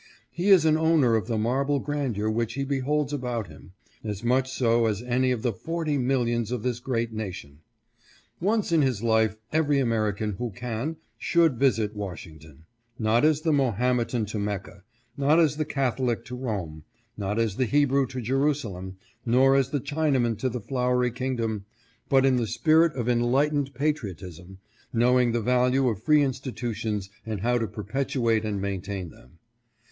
He is an owner of the marble grandeur which he beholds about him, — as much so as any of the forty millions of this great nation. Once in his life every American who can should visit. Washington: not as the Mo hametan to Mecca; not as the Catholic to Rome; not as the Hebrew to Jerusalem, nor as the Chinaman to the Flowery kingdom, but in the spirit of enlightened patriotism, knowing the value of free institutions and how to perpetuate arid maintain them.